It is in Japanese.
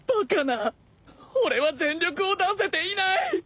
俺は全力を出せていない！